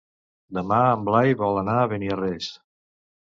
Demà en Blai vol anar a Beniarrés.